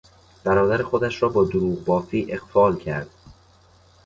برادر خودش را با دروغ بافی اغفال کرد.